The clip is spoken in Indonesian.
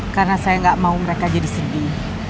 karena saya gak mau mereka jadi sedih